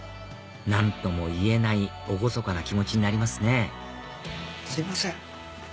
何ともいえない厳かな気持ちになりますね